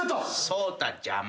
草太邪魔。